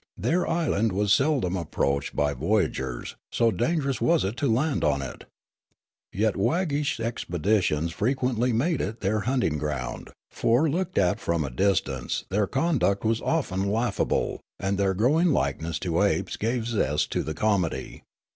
Their island was seldom approached b}' voyagers, so dangerous was it to land on it. Yet wag gish expeditions frequently made it their hunting ground ; for looked at from a distance their conduct was often laughable, and their growing likeness to apes gave zest to the comedy.